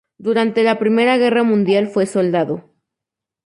Durante la Primera Guerra Mundial fue soldado.